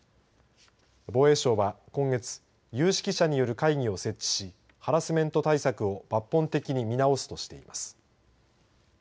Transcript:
防衛省は今月有識者による会議を設置しハラスメント対策を抜本的に見直すとしています。